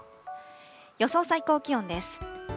予想最高気温です。